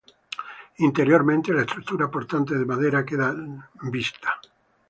Interiormente la estructura portante de madera queda vista.